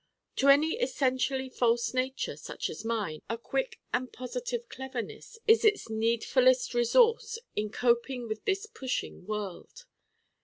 To any essentially false nature, such as mine, a quick and positive Cleverness is its needfulest resource in coping with this pushing world.